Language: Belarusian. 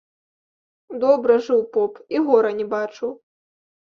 Добра жыў поп і гора не бачыў.